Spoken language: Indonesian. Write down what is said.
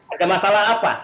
ada masalah apa